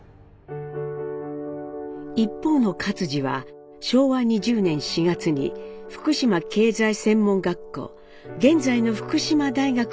一方の克爾は昭和２０年４月に福島經濟専門学校現在の福島大学に入学。